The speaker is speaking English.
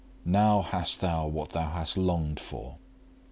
"Now hast thou what thou hast longed for."